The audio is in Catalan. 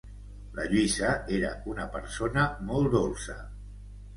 La Lluïsa era una persona molt dolça.